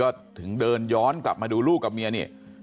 แล้วตัวสามีก็ถึงเดินย้อนกลับมาดูลูกกับเมียเนี่ย